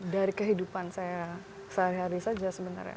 dari kehidupan saya sehari hari saja sebenarnya